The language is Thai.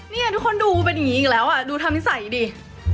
เนี่ยทุกคนดูเป็นอย่างนี้อีกแล้วอ่ะดูทำนิสัยดิ